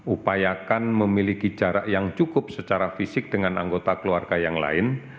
upayakan memiliki jarak yang cukup secara fisik dengan anggota keluarga yang lain